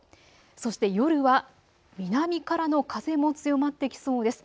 そして夜は南からの風も強まってきそうです。